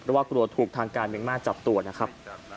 เพราะว่ากลัวถูกทางการเมืองมากจับตัวนะครับ